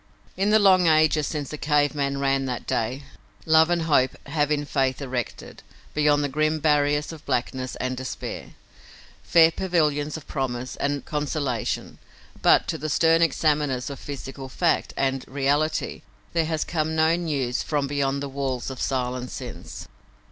In the long ages since the cave man ran that day, love and hope have in faith erected, beyond the grim barriers of blackness and despair, fair pavilions of promise and consolation, but to the stern examiners of physical fact and reality there has come no news from beyond the walls of silence since.